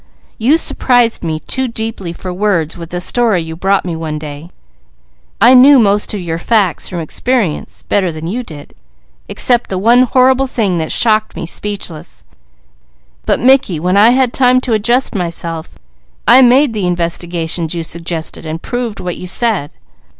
You surprised me too deeply for words with the story you brought me one day. I knew most of your facts from experience, better than you did, except the one horrible thing that shocked me speechless; but Mickey, when I had time to adjust myself, I made the investigations you suggested, and proved what you said.